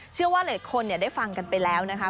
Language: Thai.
เชื่อว่าหลายคนได้ฟังกันไปแล้วนะคะ